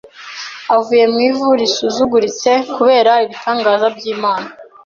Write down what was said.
avuye mu ivu risuzuguritse kubera ibitangaza by’Imana